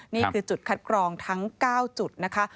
นี่คือจุดคัดกรองทั้ง๙จุดนะคะ